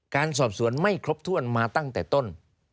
การสอบสวนไม่ครบถ้วนมาตั้งแต่ต้น